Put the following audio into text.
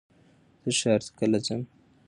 زه ښار ته کله ځم؟